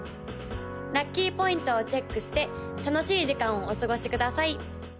ラッキーポイントをチェックして楽しい時間をお過ごしください！